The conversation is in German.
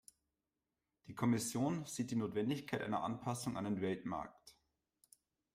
Die Kommission sieht die Notwendigkeit einer Anpassung an den Weltmarkt.